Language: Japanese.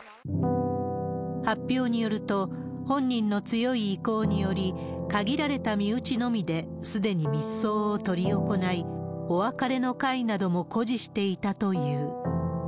発表によると、本人の強い意向により、限られた身内のみですでに密葬を執り行い、お別れの会なども固辞していたという。